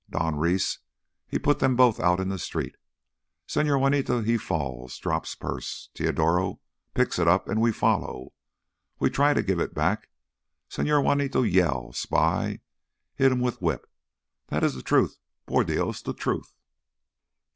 Don Reese, he put them both out in the street. Señor Juanito he falls, drops purse. Teodoro picks it up, and we follow. When we try to give it back Señor Juanito yell, 'spy,' hit with whip. That is the truth, por Dios, the truth!"